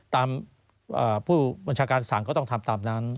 ตามผู้บัญชาการสั่งก็ต้องทำตามนั้น